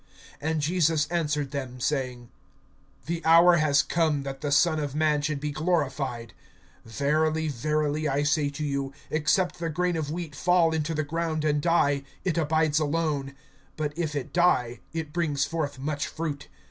(23)And Jesus answered them, saying: The hour has come, that the Son of man should be glorified. (24)Verily, verily, I say to you, except the grain of wheat fall into the ground and die, it abides alone; but if it die, it brings forth much fruit.